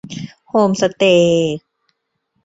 โฮมสเตย์